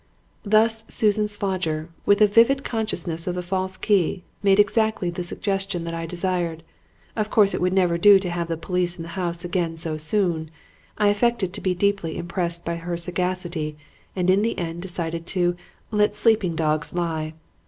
"Thus Susan Slodger, with a vivid consciousness of the false key, made exactly the suggestion that I desired. Of course it would never do to have the police in the house again so soon. I affected to be deeply impressed by her sagacity and in the end decided to 'let sleeping dogs lie.'